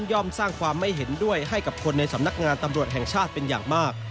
สร้างความไม่เห็นด้วยให้กับคนในสำนักงานตำรวจแห่งชาติเป็นอย่างมาก